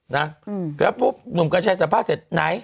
นะแล้วปุ๊บหนุ่มกัญชัยสัมภาษณ์เสร็จไหน